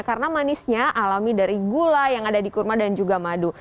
karena manisnya alami dari gula yang ada di kurma dan juga madu